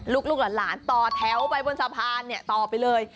ลูกหลานต่อแถวไปบนสะพานต่อไปเลย